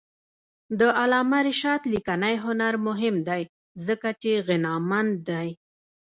د علامه رشاد لیکنی هنر مهم دی ځکه چې غنامند دی.